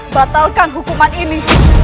batalkan hukuman ini